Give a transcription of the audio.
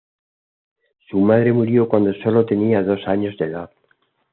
Su madre murió cuando solo tenía dos años de edad.